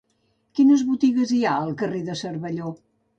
Quines botigues hi ha al carrer de Cervelló?